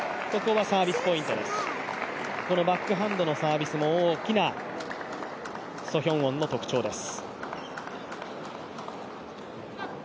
このバックハンドのサービスも大きなソ・ヒョウォンの特徴です。